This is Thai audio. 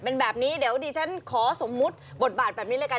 เป็นแบบนี้เดี๋ยวดิฉันขอสมมุติบทบาทแบบนี้เลยกัน